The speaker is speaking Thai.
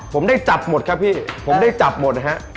ผมได้จับหมดครับพี่ผมได้จับหมดนะฮะ